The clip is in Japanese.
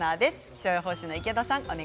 気象予報士の池田さん